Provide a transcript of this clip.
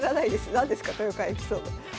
何ですか「豊川エピソード」。